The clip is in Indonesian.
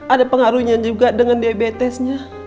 ada pengaruhnya juga dengan diabetesnya